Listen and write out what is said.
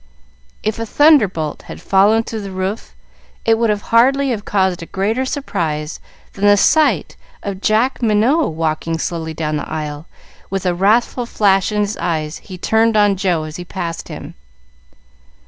If a thunderbolt had fallen through the roof it would hardly have caused a greater surprise than the sight of Jack Minot walking slowly down the aisle, with a wrathful flash in the eyes he turned on Joe as he passed him.